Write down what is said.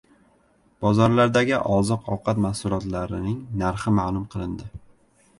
Bozorlardagi oziq-ovqat mahsulotlarining narxi ma'lum qilindi